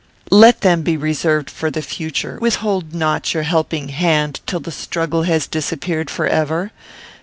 "Let them be reserved for the future. Withhold not your helping hand till the struggle has disappeared forever.